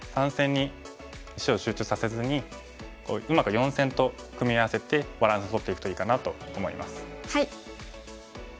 ３線に石を集中させずにうまく４線と組み合わせてバランスとっていくといいかなと思います。